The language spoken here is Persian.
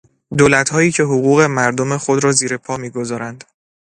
دولتهایی که حقوق مردم خود را زیر پا میگذارند